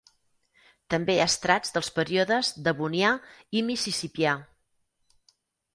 També hi ha estrats dels períodes Devonià i , Mississippià.